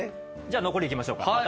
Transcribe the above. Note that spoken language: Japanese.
じゃあ残りいきましょうか。